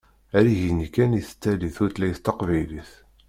Ar igenni kan i tettali tutlayt taqbaylit.